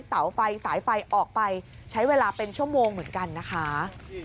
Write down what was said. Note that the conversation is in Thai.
เสาไฟสายไฟออกไปใช้เวลาเป็นชั่วโมงเหมือนกันนะคะ